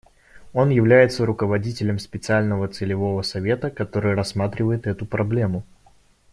Он является руководителем специального целевого совета, который рассматривает эту проблему.